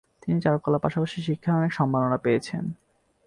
তিনি চারুকলার পাশাপাশি শিক্ষায় অনেক সম্মাননা পেয়েছেন।